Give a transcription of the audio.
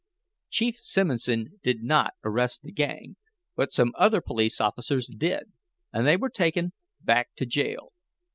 Chief Simonson did not arrest the gang, but some other police officers did, and they were taken back to jail.